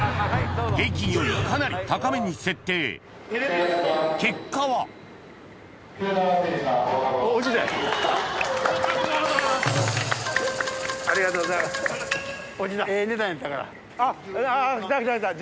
平均よりかなり高めに設定ありがとうございます。